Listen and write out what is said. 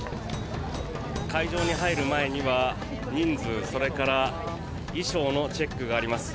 会場に入る前には人数それから衣装のチェックがあります。